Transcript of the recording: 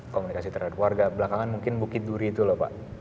komunikasi terhadap warga belakangan mungkin bukit duri itu loh pak